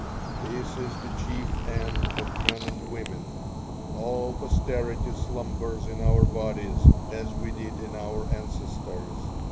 This is the chief end of men and women. All posterity slumbers in our bodies, as we did in our ancestors.